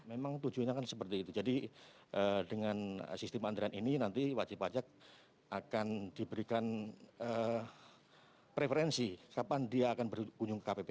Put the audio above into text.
memang tujuannya kan seperti itu jadi dengan sistem antrean ini nanti wajib pajak akan diberikan preferensi kapan dia akan berkunjung ke kpp